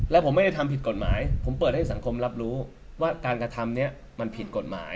แล้วผมไม่ได้ทำผิดกฎหมายผมเปิดให้สังคมรับรู้ว่าการกระทำนี้มันผิดกฎหมาย